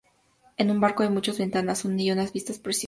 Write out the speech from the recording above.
En un barco hay muchas ventanas y unas vistas preciosas".